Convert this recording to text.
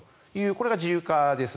これが自由化です。